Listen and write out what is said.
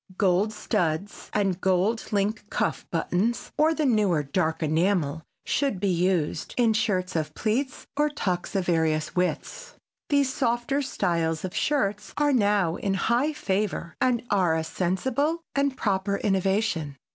Gold studs and gold link cuff buttons, or the newer dark enamel should be used, in shirts of plaits or tucks of various widths. These softer styles of shirts are now in high favor and are a sensible and proper innovation.